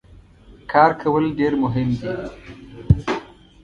کار کول ډیر مهم دي.